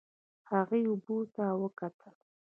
هغې اوبو ته وکتل.